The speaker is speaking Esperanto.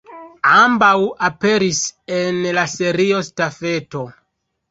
Ambaŭ aperis en la Serio Stafeto.